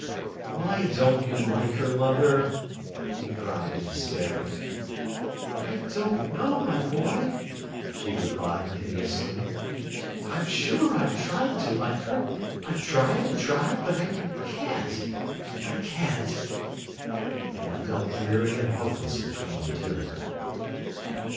"Why don't you like her, mother?" he cried in despair. "I don't know, my boy," she replied piteously. "I'm sure I've tried to like her. I've tried and tried, but I can't—I can't!" And he felt dreary and hopeless between the two.